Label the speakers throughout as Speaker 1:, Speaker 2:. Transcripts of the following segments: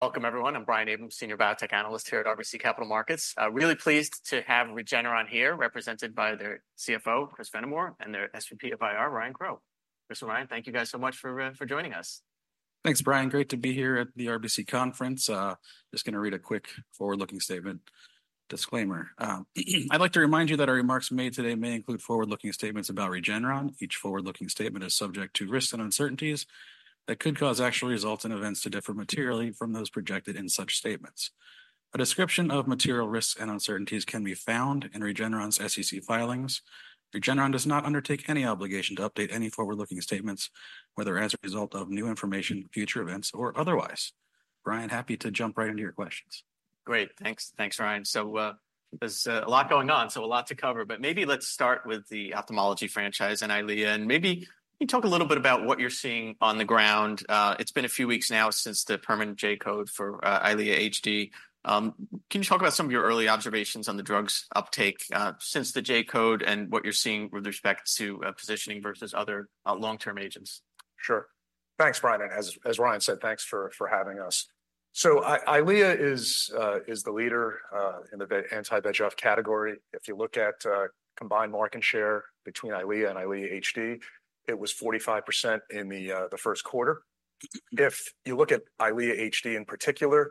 Speaker 1: Welcome, everyone. I'm Brian Abrahams, senior biotech analyst here at RBC Capital Markets. Really pleased to have Regeneron here, represented by their CFO, Chris Fenimore, and their SVP of IR, Ryan Crowe. Chris and Ryan, thank you guys so much for joining us.
Speaker 2: Thanks, Brian. Great to be here at the RBC conference. Just gonna read a quick forward-looking statement disclaimer. I'd like to remind you that our remarks made today may include forward-looking statements about Regeneron. Each forward-looking statement is subject to risks and uncertainties that could cause actual results and events to differ materially from those projected in such statements. A description of material risks and uncertainties can be found in Regeneron's SEC filings. Regeneron does not undertake any obligation to update any forward-looking statements, whether as a result of new information, future events, or otherwise. Brian, happy to jump right into your questions.
Speaker 1: Great. Thanks. Thanks, Ryan. So, there's a lot going on, so a lot to cover, but maybe let's start with the ophthalmology franchise and EYLEA, and maybe can you talk a little bit about what you're seeing on the ground? It's been a few weeks now since the permanent J-code for EYLEA HD. Can you talk about some of your early observations on the drug's uptake since the J-code and what you're seeing with respect to positioning versus other long-term agents?
Speaker 3: Sure. Thanks, Brian, and as Ryan said, thanks for having us. So EYLEA is the leader in the anti-VEGF category. If you look at combined market share between EYLEA and EYLEA HD, it was 45% in the first quarter. If you look at EYLEA HD in particular,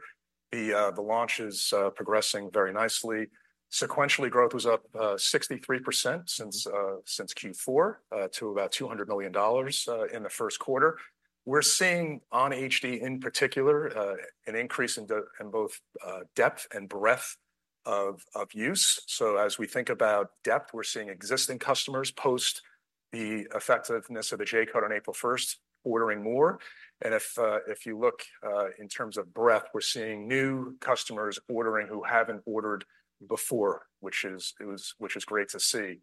Speaker 3: the launch is progressing very nicely. Sequentially, growth was up 63% since Q4 to about $200 million in the first quarter. We're seeing on HD in particular an increase in both depth and breadth of use. So as we think about depth, we're seeing existing customers post the effectiveness of the J-code on April first, ordering more. And if you look in terms of breadth, we're seeing new customers ordering who haven't ordered before, which is great to see.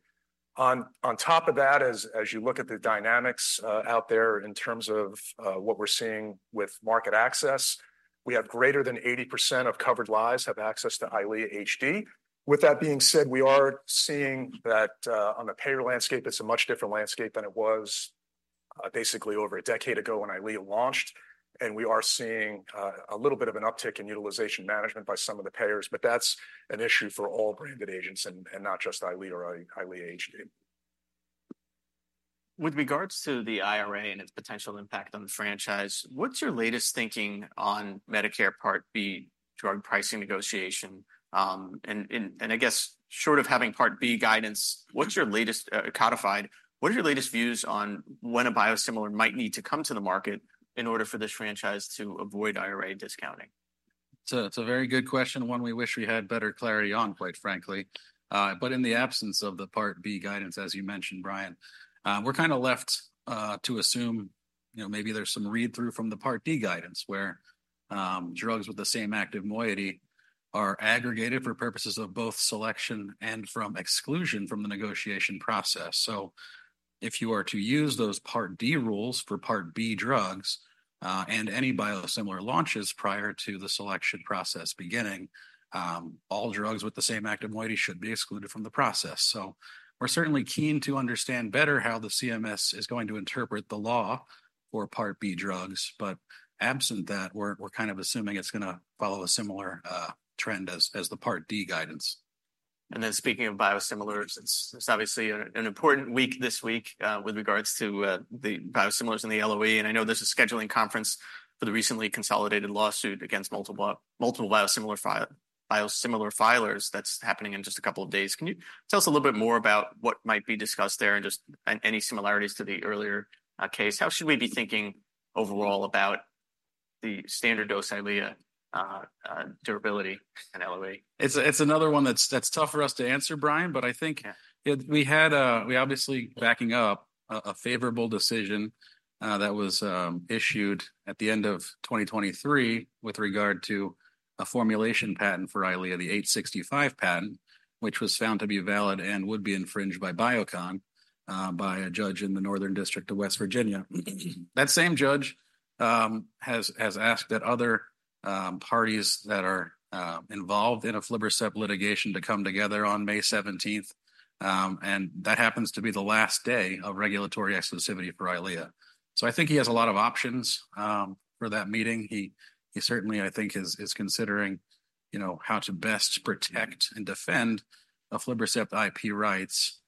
Speaker 3: On top of that, as you look at the dynamics out there in terms of what we're seeing with market access, we have greater than 80% of covered lives have access to EYLEA HD. With that being said, we are seeing that on the payer landscape, it's a much different landscape than it was basically over a decade ago when EYLEA launched, and we are seeing a little bit of an uptick in utilization management by some of the payers, but that's an issue for all branded agents and not just EYLEA or EYLEA HD.
Speaker 1: With regards to the IRA and its potential impact on the franchise, what's your latest thinking on Medicare Part B drug pricing negotiation? I guess, short of having Part B guidance, what's your latest codified, what are your latest views on when a biosimilar might need to come to the market in order for this franchise to avoid IRA discounting?
Speaker 2: It's a, it's a very good question, one we wish we had better clarity on, quite frankly. But in the absence of the Part B guidance, as you mentioned, Brian, we're kinda left to assume, you know, maybe there's some read-through from the Part D guidance, where drugs with the same active moiety are aggregated for purposes of both selection and from exclusion from the negotiation process. So if you are to use those Part D rules for Part B drugs, and any biosimilar launches prior to the selection process beginning, all drugs with the same active moiety should be excluded from the process. We're certainly keen to understand better how the CMS is going to interpret the law for Part B drugs, but absent that, we're kind of assuming it's gonna follow a similar trend as the Part D guidance.
Speaker 1: And then speaking of biosimilars, it's obviously an important week this week with regards to the biosimilars and the LOE, and I know there's a scheduling conference for the recently consolidated lawsuit against multiple biosimilar filers that's happening in just a couple of days. Can you tell us a little bit more about what might be discussed there and any similarities to the earlier case? How should we be thinking overall about the standard-dose EYLEA durability in LOE?
Speaker 2: It's another one that's tough for us to answer, Brian, but I think-
Speaker 1: Yeah...
Speaker 2: we had, we obviously backing up a favorable decision, that was issued at the end of 2023 with regard to a formulation patent for EYLEA, the 865 patent, which was found to be valid and would be infringed by Biocon, by a judge in the Northern District of West Virginia. That same judge, has asked that other, parties that are, involved in a aflibercept litigation to come together on May seventeenth, and that happens to be the last day of regulatory exclusivity for EYLEA. So I think he has a lot of options, for that meeting. He certainly, I think, is considering, you know, how to best protect and defend aflibercept IP rights,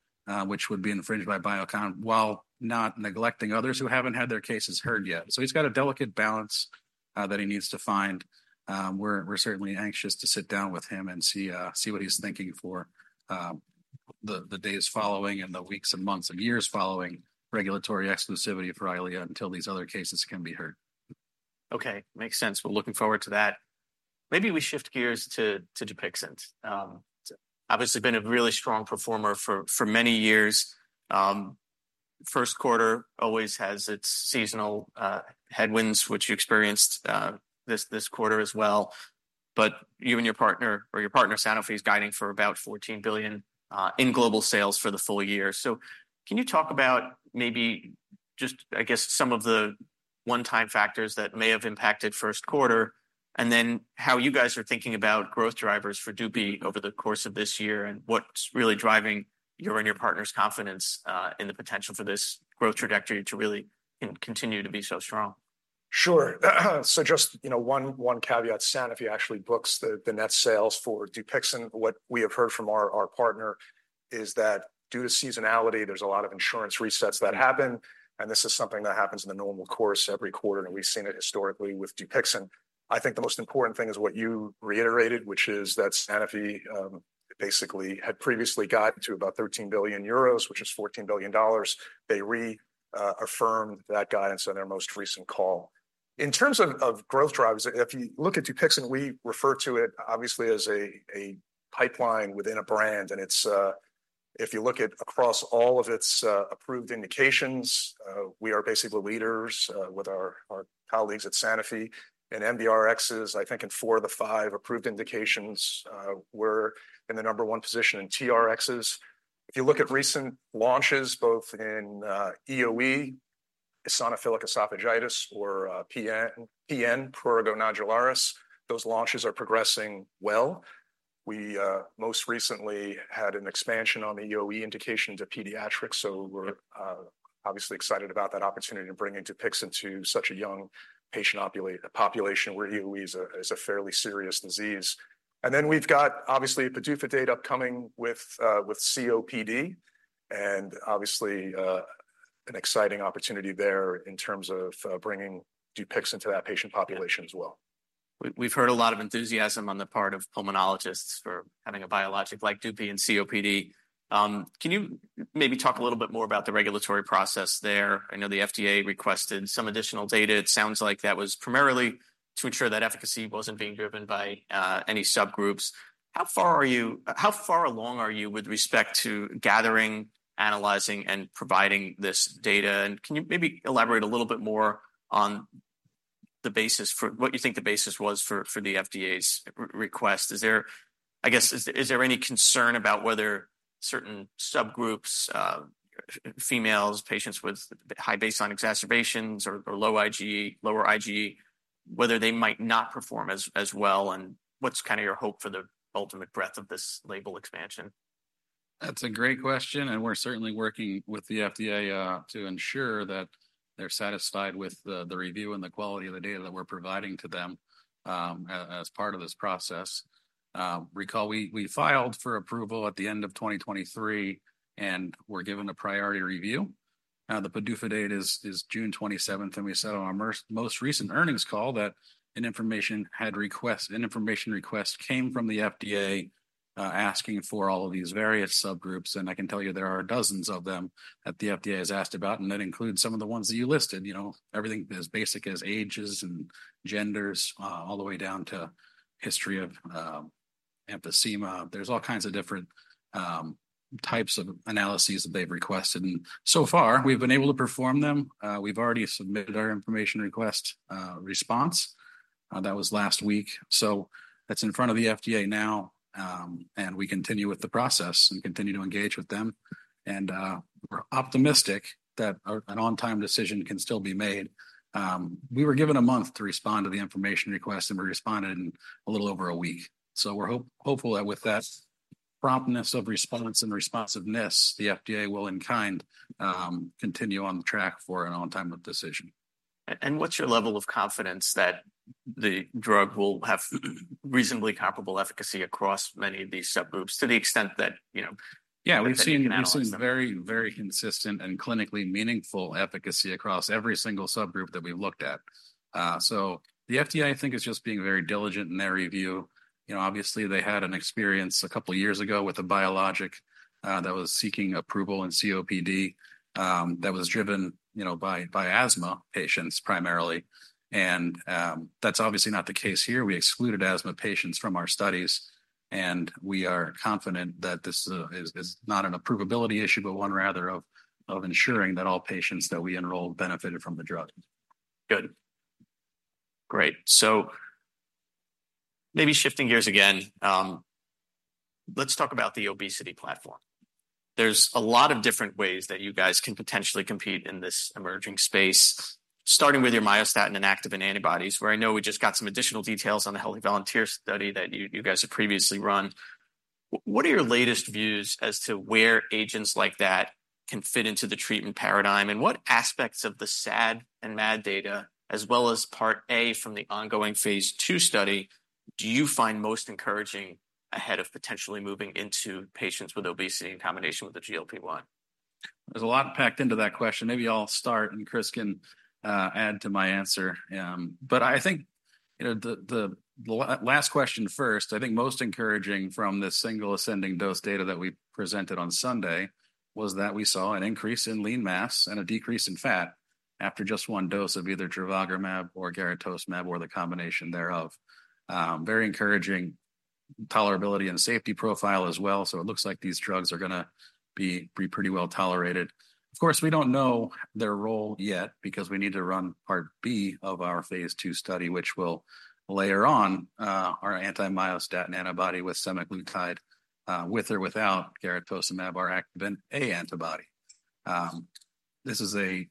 Speaker 2: which would be infringed by Biocon, while not neglecting others who haven't had their cases heard yet. So he's got a delicate balance that he needs to find. We're certainly anxious to sit down with him and see what he's thinking for the days following and the weeks and months and years following regulatory exclusivity for EYLEA until these other cases can be heard.
Speaker 1: Okay, makes sense. We're looking forward to that. Maybe we shift gears to Dupixent. Obviously, been a really strong performer for many years. First quarter always has its seasonal headwinds, which you experienced this quarter as well. But you and your partner, or your partner, Sanofi, is guiding for about $14 billion in global sales for the full year. So can you talk about maybe just, I guess, some of the one-time factors that may have impacted first quarter, and then how you guys are thinking about growth drivers for Dupi over the course of this year and what's really driving your and your partner's confidence in the potential for this growth trajectory to really, you know, continue to be so strong?
Speaker 3: Sure. So just, you know, one caveat, Sanofi actually books the net sales for Dupixent. What we have heard from our partner is that due to seasonality, there's a lot of insurance resets that happen, and this is something that happens in the normal course every quarter, and we've seen it historically with Dupixent. I think the most important thing is what you reiterated, which is that Sanofi basically had previously gotten to about 13 billion euros, which is $14 billion. They affirmed that guidance on their most recent call. In terms of growth drivers, if you look at Dupixent, we refer to it obviously as a pipeline within a brand, and it's if you look at across all of its approved indications, we are basically leaders with our colleagues at Sanofi. In NBRx's, I think in four of the five approved indications, we're in the number one position in TRx's. If you look at recent launches, both in EoE, eosinophilic esophagitis, or PN, prurigo nodularis, those launches are progressing well. We most recently had an expansion on the EoE indication to pediatrics, so we're obviously excited about that opportunity to bring in Dupixent to such a young patient population, where EoE is a fairly serious disease. And then we've got obviously a PDUFA date upcoming with COPD and obviously an exciting opportunity there in terms of bringing Dupixent to that patient population as well.
Speaker 1: We've heard a lot of enthusiasm on the part of pulmonologists for having a biologic like Dupi in COPD. Can you maybe talk a little bit more about the regulatory process there? I know the FDA requested some additional data. It sounds like that was primarily to ensure that efficacy wasn't being driven by any subgroups. How far along are you with respect to gathering, analyzing, and providing this data? And can you maybe elaborate a little bit more on the basis for what you think the basis was for the FDA's request? Is there, I guess, any concern about whether certain subgroups, females, patients with high baseline exacerbations or low IgE, whether they might not perform as well, and what's kind of your hope for the ultimate breadth of this label expansion?
Speaker 2: That's a great question, and we're certainly working with the FDA to ensure that they're satisfied with the review and the quality of the data that we're providing to them as part of this process. Recall, we filed for approval at the end of 2023, and were given a priority review. The PDUFA date is June 27, and we said on our most recent earnings call that an information request came from the FDA asking for all of these various subgroups. And I can tell you there are dozens of them that the FDA has asked about, and that includes some of the ones that you listed. You know, everything as basic as ages and genders all the way down to history of emphysema. There's all kinds of different types of analyses that they've requested, and so far, we've been able to perform them. We've already submitted our information request response. That was last week. So that's in front of the FDA now, and we continue with the process and continue to engage with them. We're optimistic that an on-time decision can still be made. We were given a month to respond to the information request, and we responded in a little over a week. So we're hopeful that with that promptness of response and responsiveness, the FDA will, in kind, continue on track for an on-time decision.
Speaker 1: And what's your level of confidence that the drug will have reasonably comparable efficacy across many of these subgroups, to the extent that, you know?
Speaker 2: Yeah, we've seen-
Speaker 1: You can analyze them?
Speaker 2: We've seen very, very consistent and clinically meaningful efficacy across every single subgroup that we've looked at. So the FDA, I think, is just being very diligent in their review. You know, obviously, they had an experience a couple of years ago with a biologic that was seeking approval in COPD that was driven, you know, by asthma patients primarily, and that's obviously not the case here. We excluded asthma patients from our studies, and we are confident that this is not an approvability issue, but one rather of ensuring that all patients that we enrolled benefited from the drug.
Speaker 1: Good. Great. So maybe shifting gears again, let's talk about the obesity platform. There's a lot of different ways that you guys can potentially compete in this emerging space, starting with your myostatin and activin antibodies, where I know we just got some additional details on the healthy volunteer study that you, you guys had previously run. What are your latest views as to where agents like that can fit into the treatment paradigm, and what aspects of the SAD and MAD data, as well as part A from the ongoing phase two study, do you find most encouraging ahead of potentially moving into patients with obesity in combination with the GLP-1?
Speaker 2: There's a lot packed into that question. Maybe I'll start, and Chris can add to my answer. But I think, you know, the last question first, I think most encouraging from the single ascending dose data that we presented on Sunday was that we saw an increase in lean mass and a decrease in fat after just one dose of either trevogrumab or garetosmab, or the combination thereof. Very encouraging tolerability and safety profile as well, so it looks like these drugs are gonna be pretty well tolerated. Of course, we don't know their role yet because we need to run part B of our phase 2 study, which will layer on our anti-myostatin antibody with semaglutide, with or without garetosmab or activin A antibody. This is a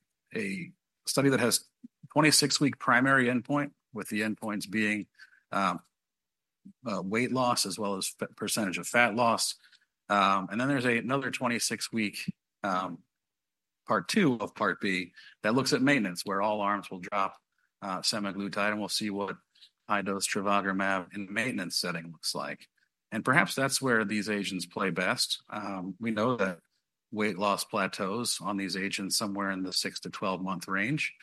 Speaker 2: study that has a 26-week primary endpoint, with the endpoints being... Weight loss as well as percentage of fat loss. And then there's another 26-week part two of part B that looks at maintenance, where all arms will drop semaglutide, and we'll see what high-dose trevogrumab in the maintenance setting looks like. And perhaps that's where these agents play best. We know that weight loss plateaus on these agents somewhere in the 6- to 12-month range,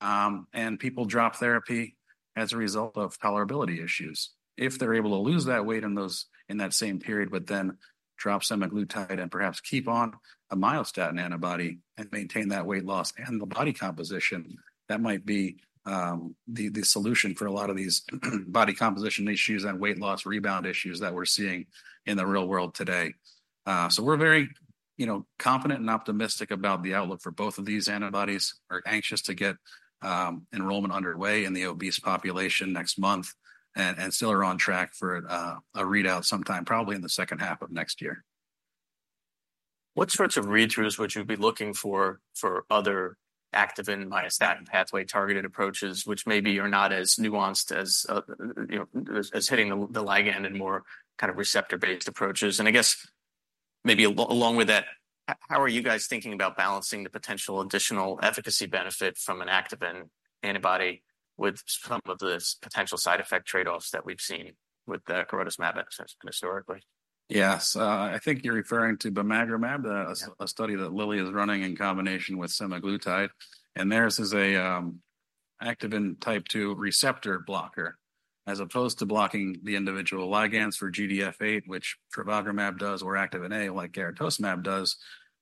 Speaker 2: and people drop therapy as a result of tolerability issues. If they're able to lose that weight in that same period, but then drop semaglutide and perhaps keep on a myostatin antibody and maintain that weight loss and the body composition, that might be the solution for a lot of these body composition issues and weight loss rebound issues that we're seeing in the real world today. So we're very, you know, confident and optimistic about the outlook for both of these antibodies. We're anxious to get enrollment underway in the obese population next month and, and still are on track for a readout sometime, probably in the second half of next year.
Speaker 1: What sorts of readthroughs would you be looking for for other activin myostatin pathway-targeted approaches, which maybe are not as nuanced as hitting the ligand and more kind of receptor-based approaches? And I guess maybe along with that, how are you guys thinking about balancing the potential additional efficacy benefit from an activin antibody with some of the potential side effect trade-offs that we've seen with the garetosmab axis historically?
Speaker 2: Yes, I think you're referring to bimagrumab-
Speaker 1: Yeah...
Speaker 2: a study that Lilly is running in combination with semaglutide, and theirs is a activin Type II receptor blocker, as opposed to blocking the individual ligands for GDF8, which trevogrumab does, or activin A, like garetosmab does.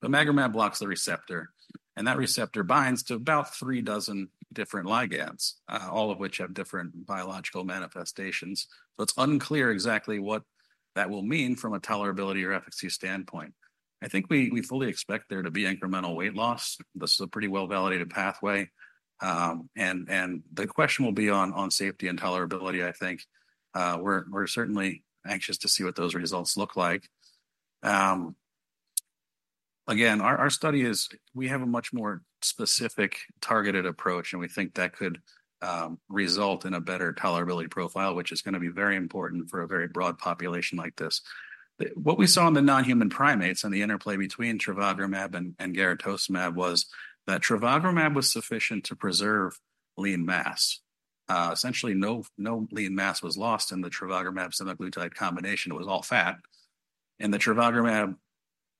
Speaker 2: Bimagrumab blocks the receptor, and that receptor binds to about three dozen different ligands, all of which have different biological manifestations. So it's unclear exactly what that will mean from a tolerability or efficacy standpoint. I think we, we fully expect there to be incremental weight loss. This is a pretty well-validated pathway, and, and the question will be on, on safety and tolerability, I think. We're, we're certainly anxious to see what those results look like. Again, our study is we have a much more specific, targeted approach, and we think that could result in a better tolerability profile, which is gonna be very important for a very broad population like this. What we saw in the non-human primates and the interplay between trevogrumab and garetosmab was that trevogrumab was sufficient to preserve lean mass. Essentially, no lean mass was lost in the trevogrumab semaglutide combination. It was all fat. In the trevogrumab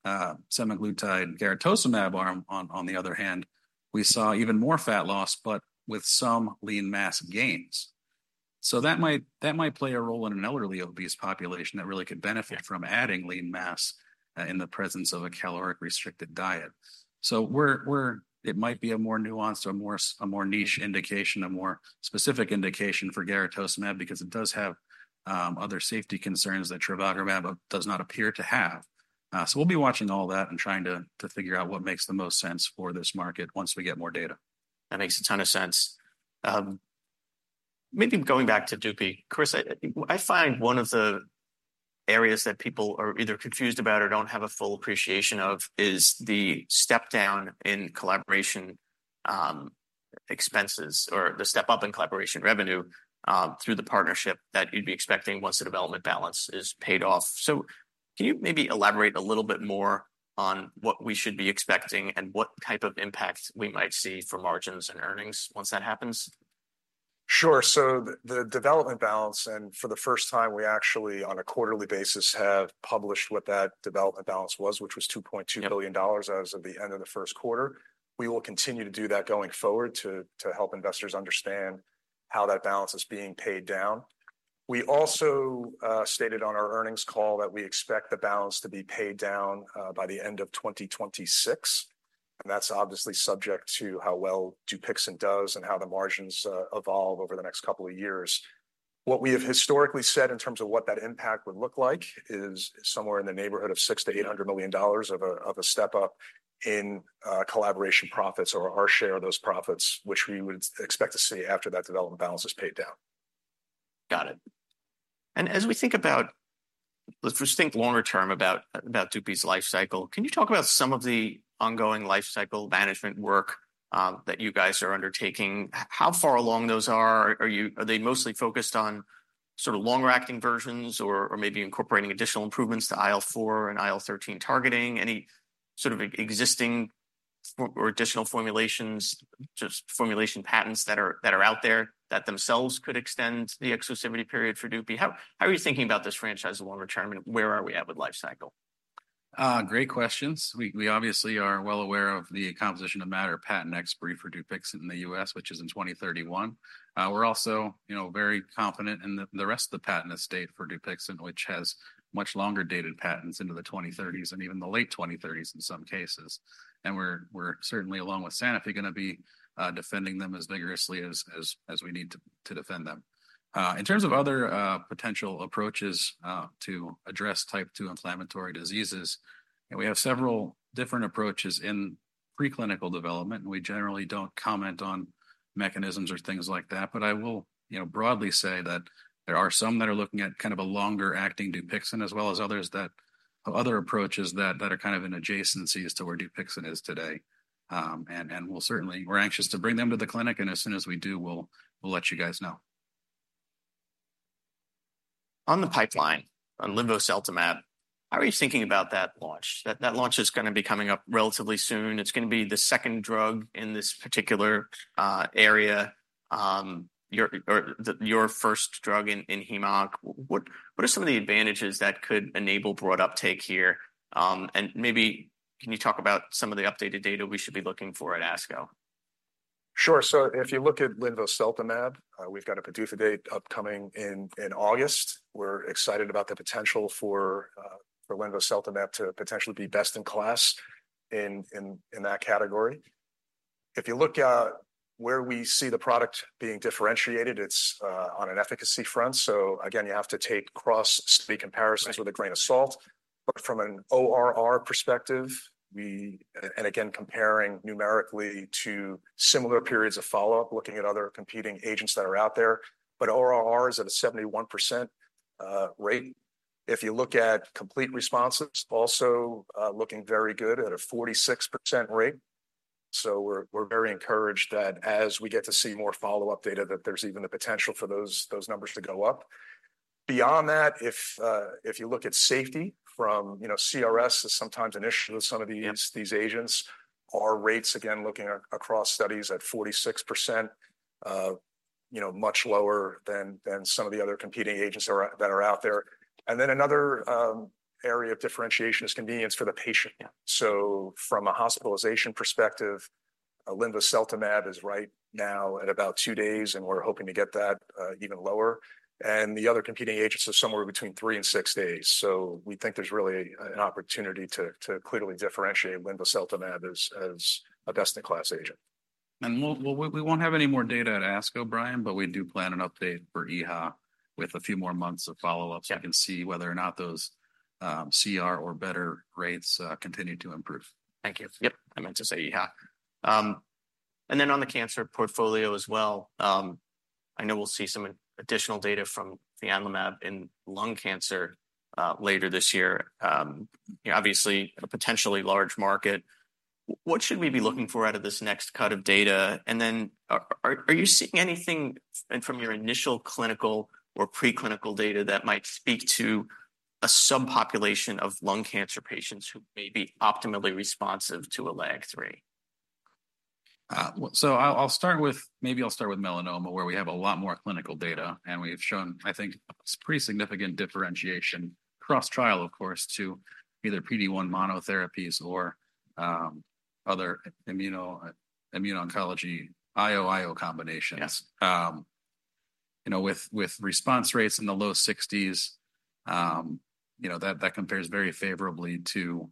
Speaker 2: semaglutide garetosmab arm, on the other hand, we saw even more fat loss, but with some lean mass gains. So that might play a role in an elderly obese population that really could benefit-
Speaker 1: Yeah...
Speaker 2: from adding lean mass in the presence of a caloric-restricted diet. So it might be a more nuanced or a more niche indication, a more specific indication for garetosmab because it does have other safety concerns that trevogrumab does not appear to have. So we'll be watching all that and trying to figure out what makes the most sense for this market once we get more data.
Speaker 1: That makes a ton of sense. Maybe going back to Dupixent, Chris, I, I find one of the areas that people are either confused about or don't have a full appreciation of is the step down in collaboration, expenses, or the step up in collaboration revenue, through the partnership that you'd be expecting once the development balance is paid off. So can you maybe elaborate a little bit more on what we should be expecting and what type of impact we might see for margins and earnings once that happens?
Speaker 3: Sure. So the development balance, and for the first time, we actually, on a quarterly basis, have published what that development balance was, which was $2.2-
Speaker 1: Yep...
Speaker 3: $ billion dollars as of the end of the first quarter. We will continue to do that going forward to help investors understand how that balance is being paid down. We also stated on our earnings call that we expect the balance to be paid down by the end of 2026, and that's obviously subject to how well Dupixent does and how the margins evolve over the next couple of years. What we have historically said in terms of what that impact would look like is somewhere in the neighborhood of $600 million-$800 million of a step-up in collaboration profits or our share of those profits, which we would expect to see after that development balance is paid down.
Speaker 1: Got it. And as we think about, let's just think longer term about, about Dupixent's life cycle. Can you talk about some of the ongoing life cycle management work, that you guys are undertaking? How far along those are? Are they mostly focused on sort of longer-acting versions or, or maybe incorporating additional improvements to IL-4 and IL-13 targeting, any sort of existing or, or additional formulations, just formulation patents that are, that are out there that themselves could extend the exclusivity period for Dupixent? How, how are you thinking about this franchise longer term, and where are we at with life cycle?
Speaker 2: Great questions. We obviously are well aware of the composition of matter patent expiry for Dupixent in the U.S., which is in 2031. We're also, you know, very confident in the rest of the patent estate for Dupixent, which has much longer-dated patents into the 2030s and even the late 2030s in some cases. We're certainly, along with Sanofi, gonna be defending them as vigorously as we need to defend them. In terms of other potential approaches to address Type 2 inflammatory diseases, we have several different approaches in preclinical development, and we generally don't comment on mechanisms or things like that. But I will, you know, broadly say that there are some that are looking at kind of a longer-acting Dupixent, as well as other approaches that are kind of in adjacencies to where Dupixent is today. And we'll certainly, we're anxious to bring them to the clinic, and as soon as we do, we'll let you guys know.
Speaker 1: On the pipeline, on linvoseltamab, how are you thinking about that launch? That launch is gonna be coming up relatively soon. It's gonna be the second drug in this particular area, or your first drug in heme/onc. What are some of the advantages that could enable broad uptake here? And maybe can you talk about some of the updated data we should be looking for at ASCO?
Speaker 3: Sure. So if you look at linvoseltamab, we've got a PDUFA date upcoming in August. We're excited about the potential for linvoseltamab to potentially be best in class in that category. If you look at where we see the product being differentiated, it's on an efficacy front. So again, you have to take cross-study comparisons with a grain of salt. But from an ORR perspective, and again, comparing numerically to similar periods of follow-up, looking at other competing agents that are out there, but ORR is at a 71% rate. If you look at complete responses, also looking very good at a 46% rate. So we're very encouraged that as we get to see more follow-up data, that there's even the potential for those numbers to go up. Beyond that, if you look at safety from, you know, CRS is sometimes an issue with some of these-
Speaker 1: Yeah...
Speaker 3: these agents, our rates, again, looking across studies at 46%, you know, much lower than some of the other competing agents that are out there. And then another area of differentiation is convenience for the patient.
Speaker 1: Yeah.
Speaker 3: So from a hospitalization perspective, linvoseltamab is right now at about 2 days, and we're hoping to get that even lower. And the other competing agents are somewhere between 3 and 6 days. So we think there's really an opportunity to clearly differentiate linvoseltamab as a best-in-class agent.
Speaker 2: And we won't have any more data at ASCO, Brian, but we do plan an update for EHA with a few more months of follow-up.
Speaker 1: Yeah...
Speaker 2: so we can see whether or not those, CR or better rates, continue to improve.
Speaker 1: Thank you. Yep, I meant to say EHA. And then on the cancer portfolio as well, I know we'll see some additional data from the fianlimab in lung cancer, later this year. You know, obviously, a potentially large market. What should we be looking for out of this next cut of data? And then, are you seeing anything from your initial clinical or preclinical data that might speak to a subpopulation of lung cancer patients who may be optimally responsive to a LAG-3?
Speaker 2: Well, so I'll start with melanoma, where we have a lot more clinical data, and we've shown, I think, pretty significant differentiation, cross-trial, of course, to either PD-1 monotherapies or other immuno-oncology, IO/IO combinations.
Speaker 1: Yeah.
Speaker 2: You know, with response rates in the low 60s, you know, that compares very favorably to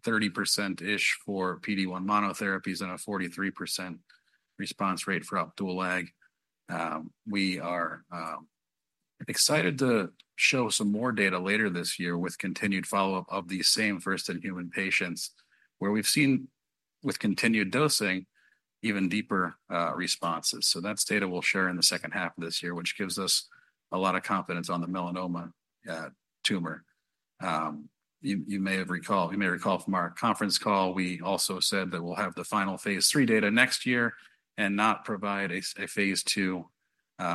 Speaker 2: 30%-ish for PD-1 monotherapies and a 43% response rate for the dual LAG-3. We are excited to show some more data later this year with continued follow-up of these same first-in-human patients, where we've seen, with continued dosing, even deeper responses. So that's data we'll share in the second half of this year, which gives us a lot of confidence on the melanoma tumor. You may recall from our conference call, we also said that we'll have the final phase III data next year and not provide a phase II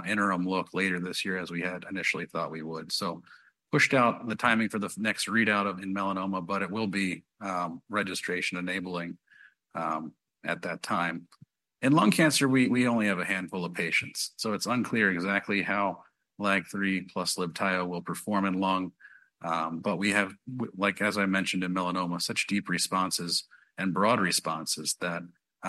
Speaker 2: interim look later this year, as we had initially thought we would. So pushed out the timing for the next readout of in melanoma, but it will be registration-enabling at that time. In lung cancer, we only have a handful of patients, so it's unclear exactly how LAG-3 plus Libtayo will perform in lung. But we have, like, as I mentioned in melanoma, such deep responses and broad responses that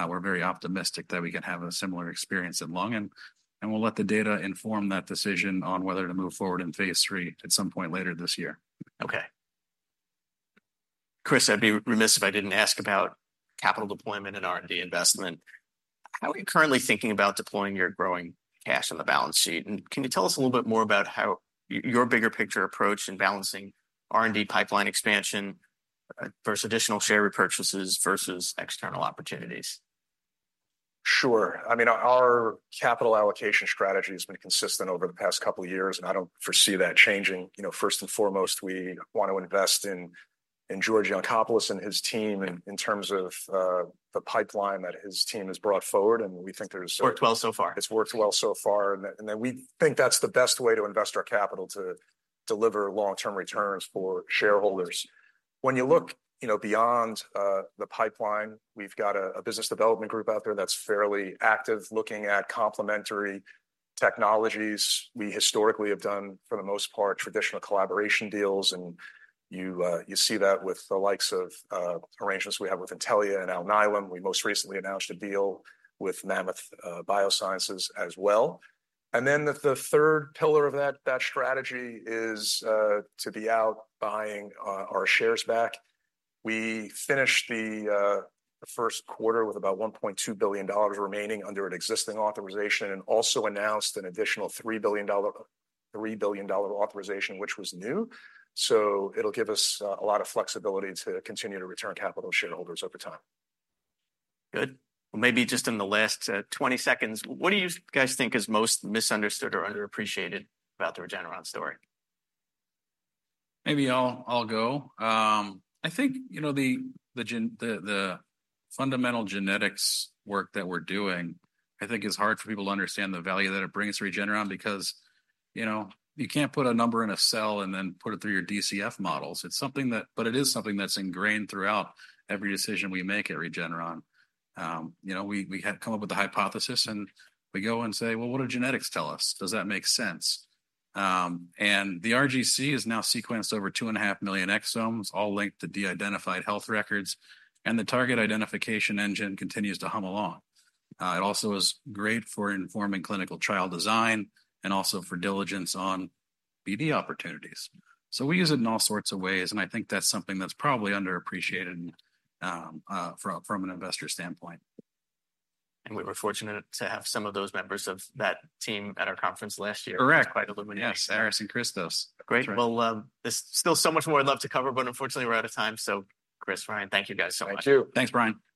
Speaker 2: we're very optimistic that we can have a similar experience in lung. And we'll let the data inform that decision on whether to move forward in phase III at some point later this year.
Speaker 1: Okay. Chris, I'd be remiss if I didn't ask about capital deployment and R&D investment. How are you currently thinking about deploying your growing cash on the balance sheet? And can you tell us a little bit more about how your bigger picture approach in balancing R&D pipeline expansion versus additional share repurchases versus external opportunities?
Speaker 3: Sure. I mean, our capital allocation strategy has been consistent over the past couple of years, and I don't foresee that changing. You know, first and foremost, we want to invest in George Yancopoulos and his team-
Speaker 1: Mm-hmm...
Speaker 3: in terms of, the pipeline that his team has brought forward, and we think there's-
Speaker 1: Worked well so far.
Speaker 3: It's worked well so far, and then we think that's the best way to invest our capital to deliver long-term returns for shareholders. When you look, you know, beyond the pipeline, we've got a business development group out there that's fairly active, looking at complementary technologies. We historically have done, for the most part, traditional collaboration deals, and you see that with the likes of arrangements we have with Intellia and Alnylam. We most recently announced a deal with Mammoth Biosciences as well. And then the third pillar of that strategy is to be out buying our shares back. We finished the first quarter with about $1.2 billion remaining under an existing authorization and also announced an additional $3 billion, $3 billion authorization, which was new. So it'll give us a lot of flexibility to continue to return capital to shareholders over time.
Speaker 1: Good. Well, maybe just in the last 20 seconds, what do you guys think is most misunderstood or underappreciated about the Regeneron story?
Speaker 2: Maybe I'll go. I think, you know, the fundamental genetics work that we're doing, I think it's hard for people to understand the value that it brings to Regeneron because, you know, you can't put a number in a cell and then put it through your DCF models. It's something that-- but it is something that's ingrained throughout every decision we make at Regeneron. You know, we had come up with a hypothesis, and we go and say: "Well, what do genetics tell us? Does that make sense?" And the RGC has now sequenced over 2.5 million exomes, all linked to de-identified health records, and the target identification engine continues to hum along. It also is great for informing clinical trial design and also for diligence on BD opportunities. So we use it in all sorts of ways, and I think that's something that's probably underappreciated, from an investor standpoint.
Speaker 1: We were fortunate to have some of those members of that team at our conference last year.
Speaker 2: Correct.
Speaker 1: It was quite illuminating.
Speaker 2: Yes, Aris and Christos.
Speaker 1: Great.
Speaker 2: That's right.
Speaker 1: Well, there's still so much more I'd love to cover, but unfortunately, we're out of time. So Chris, Ryan, thank you guys so much.
Speaker 3: Thank you.
Speaker 2: Thanks, Brian.